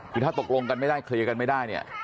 คือถ้าตกลงกันไม่ได้เคลียร์กันไม่ได้เนี่ย